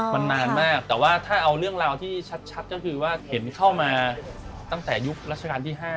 มันนานมากแต่ว่าถ้าเอาเรื่องราวที่ชัดก็คือว่าเห็นเข้ามาตั้งแต่ยุครัชกาลที่๕